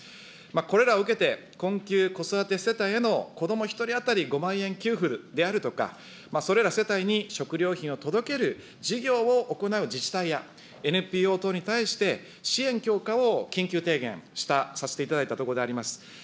これらを受けて、困窮子育て世帯へのこども１人当たり５万円給付であるとか、それら世帯に食料品を届ける事業を行う自治体やＮＰＯ等に対して支援強化を緊急提言した、させていただいたところであります。